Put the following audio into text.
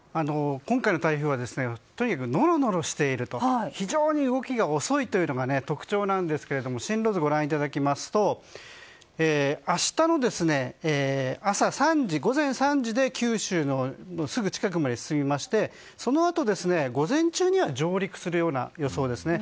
今回の台風はとにかくノロノロしていると非常に動きが遅いというのが特徴なんですが進路図ご覧いただきますと明日の朝、午前３時で九州のすぐ近くまで進みましてそのあと午前中には上陸するような予想ですね。